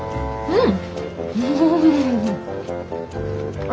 うん！